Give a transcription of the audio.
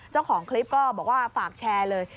เจ้าของคลิปก็บอกว่าฝากแชร์เลย